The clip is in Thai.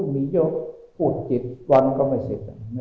นี่โย่พูดเจ็ดตวันก็ไม่เสร็จ